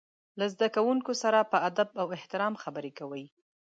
له زده کوونکو سره په ادب او احترام خبرې کوي.